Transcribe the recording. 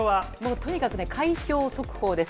とにかく開票速報です。